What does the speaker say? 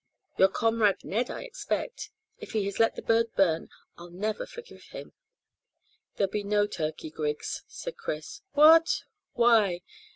Your comrade Ned, I expect. If he has let the bird burn I'll never forgive him." "There'll be no turkey, Griggs," said Chris. "What! Why?"